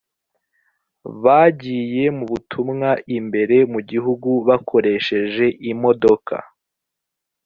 bbagiye mu butumwa imbere mu gihugu bakoresheje imodoka